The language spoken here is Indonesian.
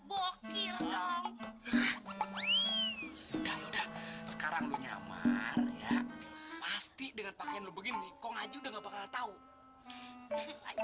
udah sekarang pasti dengan pakaian begini kong aja udah nggak bakal tahu lagi